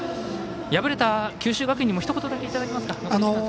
敗れた九州学院にもひと言だけいただけますか？